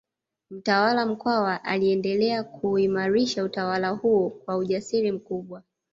Mtawala Mkwawa aliendelea kuuimarisha utawala huo kwa ujasiri mkubwa